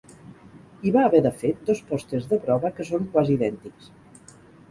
Hi va haver, de fet, dos pòsters "de prova", que són quasi idèntics.